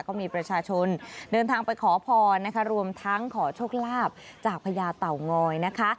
ก็มีประชาชนเดินทางไปขอพรรวมทั้งขอโชคลาฟจากพระยาตาอุงออยต์